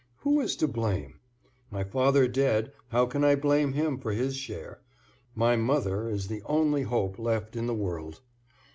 Who is to blame? My father dead, how can I blame him for his share? My mother is the only hope left in the world.